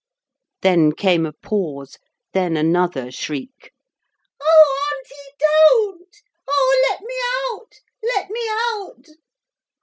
Then came a pause, then another shriek. 'Oh, Auntie, don't! Oh, let me out let me out!'